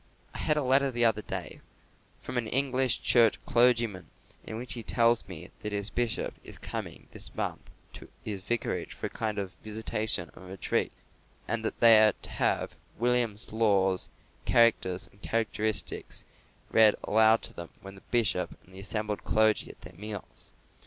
I had a letter the other day from an English Church clergyman, in which he tells me that his bishop is coming this month to his vicarage for a kind of visitation and retreat, and that they are to have William Law's Characters and Characteristics read aloud to them when the bishop and the assembled clergy are at their meals.